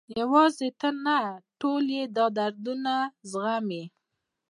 یوازې ته نه، ټول یې دا دردونه زغمي.